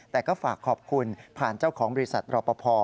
แต่ก็ฝากขอบคุณผ่านเจ้าของบริษัทรอปภ